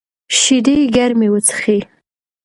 شیدې ګرمې وڅښئ.